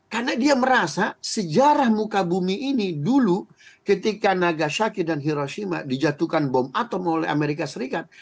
karena dia merasa sejarah muka bumi ini dulu ketika nagasaki dan hiroshima dijatuhkan bom atom oleh amerika serikat